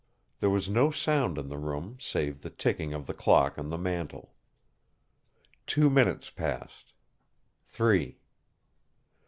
There was no sound in the room, save the ticking of the clock on the mantel. Two minutes passed three.